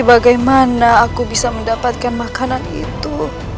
bagaimana aku bisa mendapatkan makanan itu